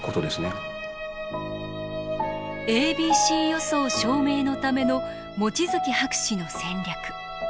ａｂｃ予想証明のための望月博士の戦略。